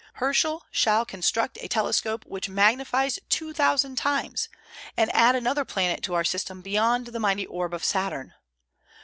Herschel shall construct a telescope which magnifies two thousand times, and add another planet to our system beyond the mighty orb of Saturn.